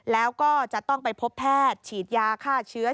แล้วก็จะต้องไปพบแพทย์ฉีดยาฆ่าเชื้อ